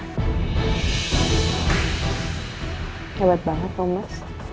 hebat banget thomas